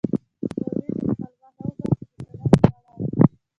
چې له ورېځې خپل مخ را وباسي، د سړک دواړه اړخه.